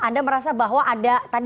oke anda merasa bahwa ada